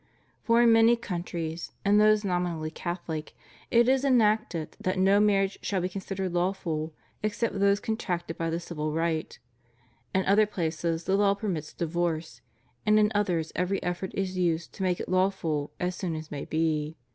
For in many countries, and those nominally Catholic, it is enacted that no marriages shall be considered lawful except those contracted by the civil rite; in other places the law permits divorce; and in others every effort is used to make it lawful as soon as may be.